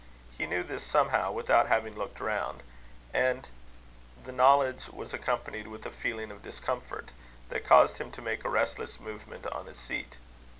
He knew this, somehow, without having looked round; and the knowledge was accompanied with a feeling of discomfort that caused him to make a restless movement on his seat.